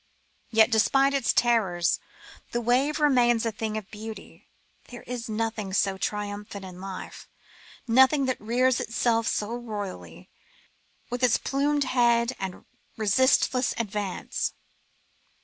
Yet, despite its terrors, the wave remains a thing of beauty. There is nothing so triumphant in life, nothing that rears itself so royally, with its plumed head and resistless advance.